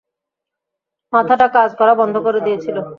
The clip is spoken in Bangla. মাথাটা কাজ করা বন্ধ করে দিয়েছিল!